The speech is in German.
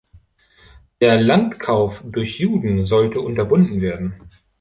Der Landkauf durch Juden sollte unterbunden werden.